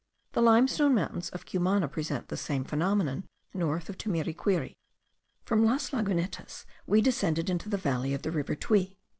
The limestone mountains of Cumana present the same phenomenon north of Tumiriquiri. From Las Lagunetas we descended into the valley of the Rio Tuy.